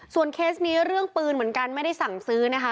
เคสนี้เรื่องปืนเหมือนกันไม่ได้สั่งซื้อนะคะ